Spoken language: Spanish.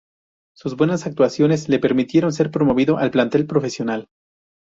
Sus buenas actuaciones le permitieron ser promovido al plantel profesional.